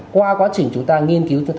qua quá trình chúng ta nghiên cứu